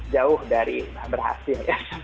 jauh dari berhasil